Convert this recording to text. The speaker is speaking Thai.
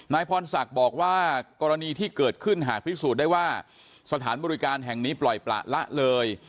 พรศักดิ์บอกว่ากรณีที่เกิดขึ้นหากพิสูจน์ได้ว่าสถานบริการแห่งนี้ปล่อยประละเลย